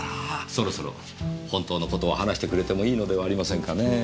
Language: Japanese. そろそろ本当の事を話してくれてもいいのではありませんかねぇ？